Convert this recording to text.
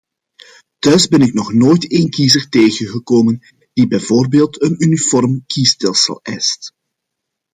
Thuis ben ik nog nooit één kiezer tegengekomen die bijvoorbeeld een uniform kiesstelsel eist.